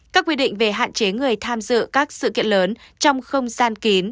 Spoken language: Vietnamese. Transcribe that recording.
các quy định về hạn chế người tham dự các sự kiện lớn trong không gian kín